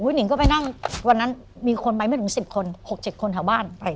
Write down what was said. วันนั้นมีคนไปไม่ถึง๑๐คน๖๗คนเท่าบ้านไป